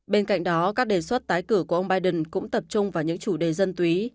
bên cạnh đó các đề xuất tái cử của ông biden cũng tập trung vào những chủ đề dân túy